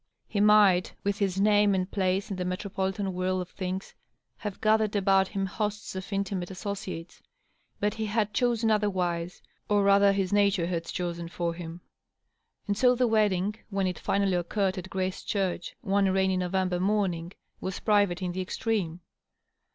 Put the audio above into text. He might, with his name and place in the metropolitan whirl of thin^, have gathered about him hosts of intimate associates. But he had chosen otherwise, or rather his nature had chosen for him. And so the wed ding, when it finally occurred at Grace Church, one rainy November morning, was private in the extreme.